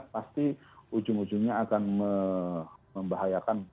pasti ujung ujungnya akan membahayakan